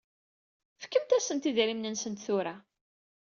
Fkemt-asent idrimen-nsent tura.